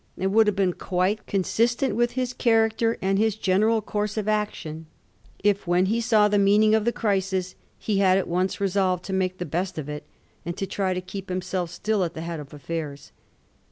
It would have been quite con sistent with his character and his general course of action if, when he saw the meaning of the crisis, he had at once resolved to make the best of it and to try to keep himself still at the head of affairs.